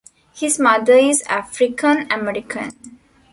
His mother is African-American.